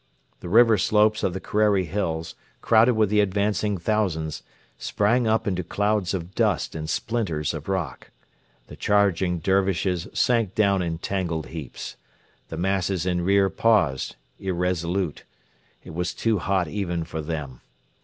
The river slopes of the Kerreri Hills, crowded with the advancing thousands, sprang up into clouds of dust and splinters of rock. The charging Dervishes sank down in tangled heaps. The masses in rear paused, irresolute. It was too hot even for them.